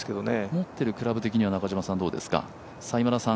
持っているクラブ的にはどうですか？